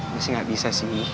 mesti gak bisa sih